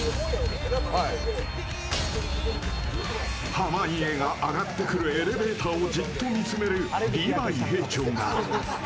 濱家が上がってくるエレベーターをじっと見つめるリヴァイ兵長が。